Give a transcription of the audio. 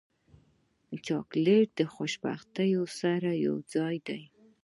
چاکلېټ له خوشبختۍ سره یوځای دی.